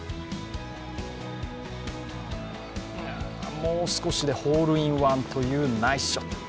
もう少しでホールインワンというナイスショット。